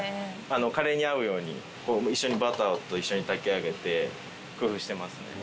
カレーに合うようにバターと一緒に炊き上げて工夫してますね。